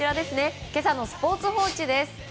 今朝のスポーツ報知です。